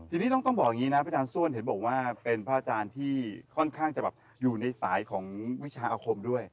ทีนี้ต้องบอกอย่างนี้นะพระอาจารย์ส้วนเห็นบอกว่าเป็นพระอาจารย์ที่ค่อนข้างจะแบบอยู่ในสายของวิชาอาคมด้วย